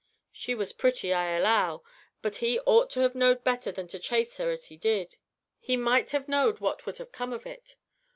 She was pretty, I allow, but he ought to have knowed better than to chase her as he did; he might have knowed what would have come of it.